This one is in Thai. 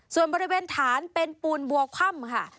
ส่วนบริเวณฐานเป็นปูนบัวคว่ำค่ะ